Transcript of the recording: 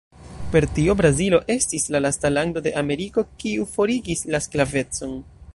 Per tio Brazilo estis la lasta lando de Ameriko, kiu forigis la sklavecon.